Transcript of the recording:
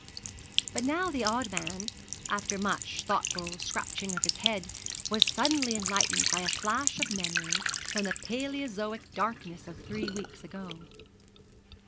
But now the odd man, after much thoughtful scratching of his head, was suddenly enlightened by a flash of memory from the paleozoic darkness of three weeks ago.